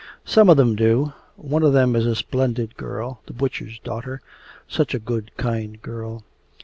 'Some of them do. One of them is a splendid girl the butcher's daughter such a good kind girl!